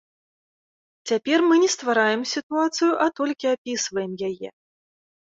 Цяпер мы не ствараем сітуацыю, а толькі апісваем яе.